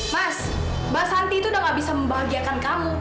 mas mbak santi itu udah gak bisa membahagiakan kamu